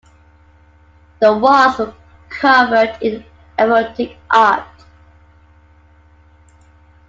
The walls were covered in erotic art.